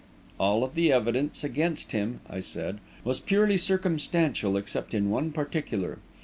"All of the evidence against him," I said, "was purely circumstantial, except in one particular.